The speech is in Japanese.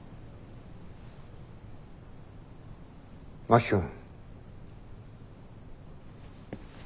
真木君。